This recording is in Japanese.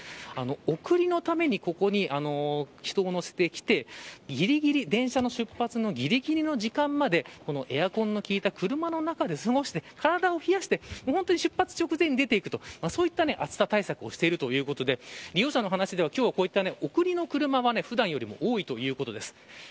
送りのためにここに人を乗せてきてぎりぎり電車の出発の時間までエアコンの効いた車の中で過ごして、体を冷やして本当に出発直前に出ていくといった暑さ対策をしているということで利用者の話では、今日は送りの車は普段よりも多いということです。